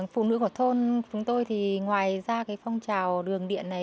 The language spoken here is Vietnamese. phụ nữ của thôn chúng tôi thì ngoài ra cái phong trào đường điện này